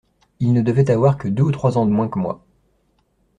Il ne devait avoir que deux ou trois ans de moins que moi.